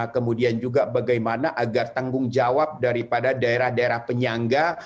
kemudian juga bagaimana agar tanggung jawab daripada daerah daerah penyangga